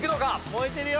燃えてるよ！